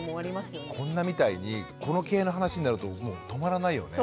こんなみたいにこの系の話になるともう止まらないよね。